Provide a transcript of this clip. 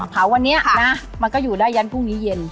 เผาวันนี้นะมันก็อยู่ได้ยันพรุ่งนี้เย็น